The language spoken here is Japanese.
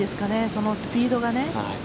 そのスピードがね。